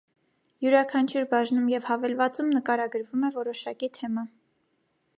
Յուրաքանչյուր բաժնում և հավելվածում նկարագրվում է որոշակի թեմա։